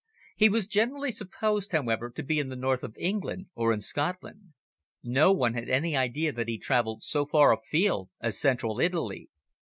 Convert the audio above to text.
He was generally supposed, however, to be in the North of England or in Scotland. No one had any idea that he travelled so far afield as Central Italy.